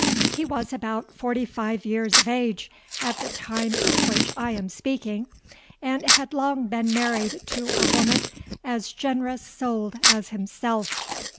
He was about forty five years of age at the time of which I am speaking, and had long been married to a woman as generous souled as himself.